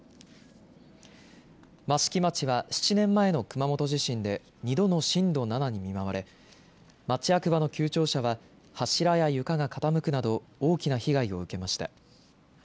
益城町は７年前の熊本地震で２度の震度７に見舞われ町役場の旧庁舎は柱や床が傾くなど大きな被害を受けました。